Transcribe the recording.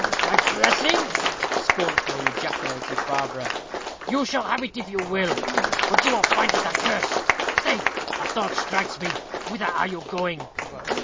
"My blessing!" scornfully ejaculated Barbara. "You shall have it if you will, but you will find it a curse. Stay! a thought strikes me. Whither are you going?"